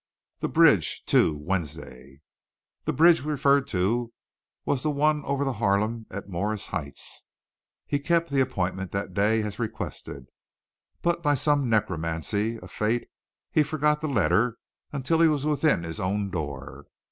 "The bridge, two, Wednesday." The bridge referred to was one over the Harlem at Morris Heights. He kept the appointment that day as requested, but by some necromancy of fate he forgot the letter until he was within his own door.